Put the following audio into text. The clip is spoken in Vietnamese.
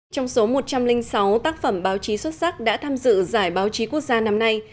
trong số một trăm linh sáu tác phẩm báo chí xuất sắc đã tham dự giải báo chí quốc gia năm nay